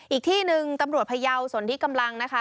อีกที่หนึ่งตำรวจพยาวส่วนที่กำลังนะคะ